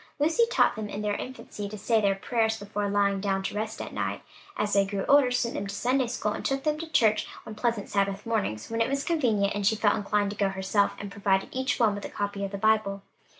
Lucy taught them, in their infancy, to say their prayers before lying down to rest at night, as they grew older sent them to Sunday school, took them to church on pleasant Sabbath mornings, when it was convenient, and she felt inclined to go herself, and provided each one with a copy of the Bible.